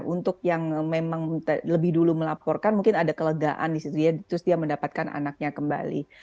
untuk yang memang lebih dulu melaporkan mungkin ada kelegaan di situ ya terus dia mendapatkan anaknya kembali